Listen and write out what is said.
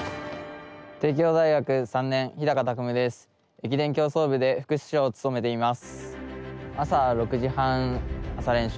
駅伝競走部で副主将を務めています。